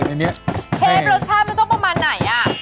เชฟรสชาติมันต้องประมาณไหน